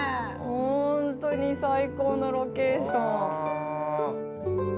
本当に最高のロケーション。